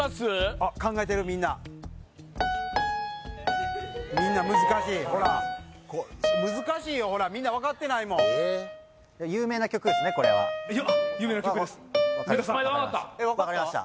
あっ考えてるみんなみんな難しいほら難しいよほらみんな分かってないもん有名な曲です前田分かった？